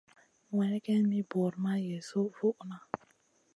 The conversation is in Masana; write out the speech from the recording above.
Nowella geyn mi buur ma yesu vuʼna.